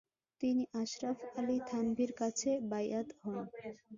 তিনি আশরাফ আলী থানভীর কাছে বায়আত হন।